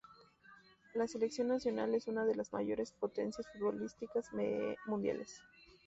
La selección nacional es una de las mayores potencias futbolísticas mundiales.